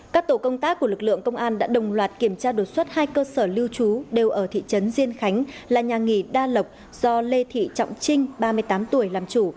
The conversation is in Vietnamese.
các tổ công tác của lực lượng công an đã đồng loạt kiểm tra đột xuất hai cơ sở lưu trú đều ở thị trấn diên khánh là nhà nghỉ đa lộc do lê thị trọng trinh ba mươi tám tuổi làm chủ